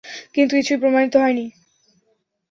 কিন্তু কিছুই প্রমাণিত হয়নি।